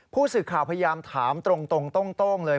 ผู้สื่อข่าวพยายามถามตรงโต้งเลย